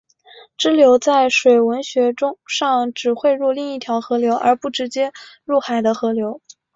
支流在水文学上指汇入另一条河流而不直接入海的河流。